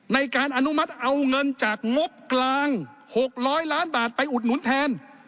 อนุมัติเอาเงินจากงบกลาง๖๐๐ล้านบาทไปอุดหนุนแทน